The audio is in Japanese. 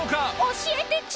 教えてちょ